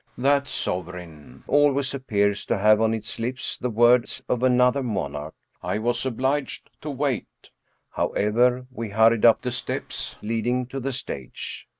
That sovereign always ap pears to have on its lips the words of another monarch: " I was obliged to wait." However, we hurried up the steps leading to the stage.